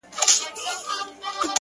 پخوا د كلي په گودر كي جـادو”